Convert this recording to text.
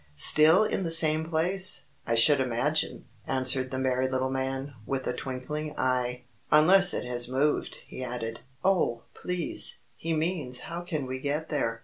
"Still in the same place, I should imagine," answered the merry little man, with a twinkling eye. "Unless it has moved," he added. "Oh, please, he means how can we get there?"